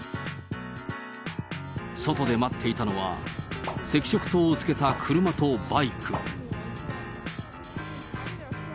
外で待っていたのは、赤色灯をつけた車とバイク。